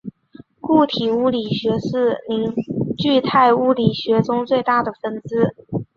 固体物理学是凝聚态物理学中最大的分支。